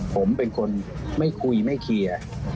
ผมเป็นคนไม่คุยไม่เคลียร์